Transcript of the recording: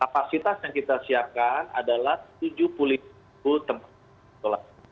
kapasitas yang kita siapkan adalah tujuh puluh tempat isolasi